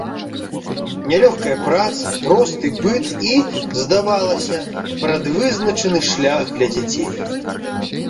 Нялёгкая праца, просты быт і, здавалася, прадвызначаны шлях для дзяцей.